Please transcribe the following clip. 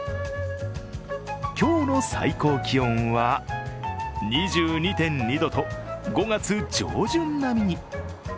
今日の最高気温は２２．２度と５月上旬並みに。